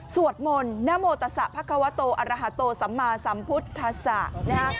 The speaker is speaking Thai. สวดมนต์นโมตัสะพัควาโตอราฮาโตสัมมาสัมพุทธศาสตร์